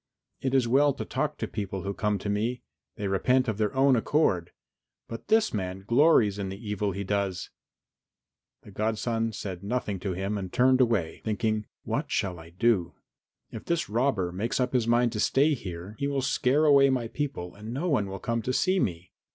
It is well to talk to the people who come to me; they repent of their own accord, but this man glories in the evil he does." The godson said nothing to him and turned away, thinking, "What shall I do? If this robber makes up his mind to stay here, he will scare away my people and no one will come to see me.